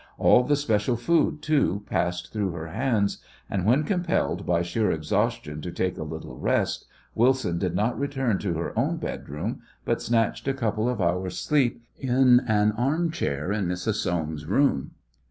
All the special food, too, passed through her hands, and when compelled by sheer exhaustion to take a little rest Wilson did not return to her own bedroom, but snatched a couple of hours sleep in an arm chair in Mrs. Soames's room.